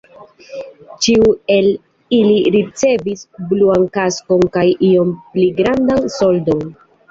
Ĉiu el ili ricevis bluan kaskon kaj iom pli grandan soldon.